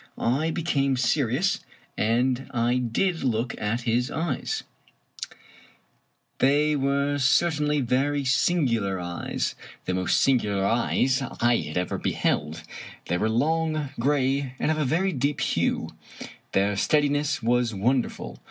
I became serious, and I did look at his eyes. 31 Irish Mystery Stories They were certainly very singular eyes — the most sin gular eyes that I had ever beheld. They were long, gray, and of a very deep hue. Their steadiness was wonderful.